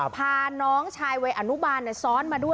พาน้องชายไวยอาณุบาลเนี่ยซ้อนมาด้วย